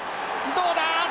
どうだ！